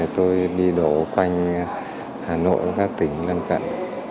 tôi đi đổ quanh hà nội và các tỉnh gần cận